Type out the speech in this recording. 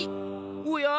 おや！